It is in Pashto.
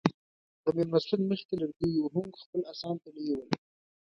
د مېلمستون مخې ته لرګي وهونکو خپل اسان تړلي ول.